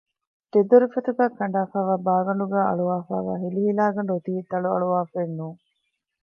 ދެ ދޮރުފަތުގައި ކަނޑާފައިވާ ބާގަނޑުގައި އަޅުވަފައިވާ ހިލިހިލާގަނޑު އޮތީ ތަޅުއަޅުވާފައެއް ނޫން